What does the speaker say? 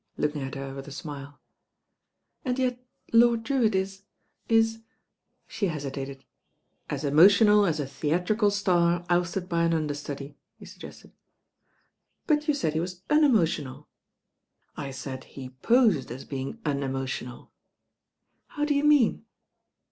lookmg at her with a .mile. * ;;A»d yet Lord Drewitt i^i. » ,he he.it.ted. A. emotional a. a theatrical star ousted bv an under.tudy," he .ugge.ted. ^*" '•But you .aid he was unemotional." I said he posed as being unemotional." How do you mean?"